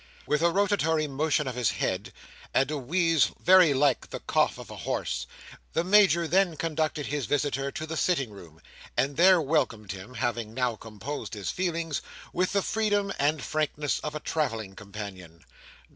With a rotatory motion of his head, and a wheeze very like the cough of a horse, the Major then conducted his visitor to the sitting room, and there welcomed him (having now composed his feelings) with the freedom and frankness of a travelling companion.